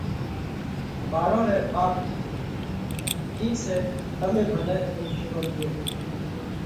ٻاۯون رئہ ٻاپ ڪِيڌو: ٺِيڪ سئہ تمي ڀلئہ اِمتيونَ ليو۔